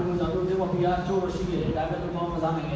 ขอบคุณก็เดี๋ยวบุญพี่แปดโปรซิกว่าใครเป็นศีลกระแรกนะครับ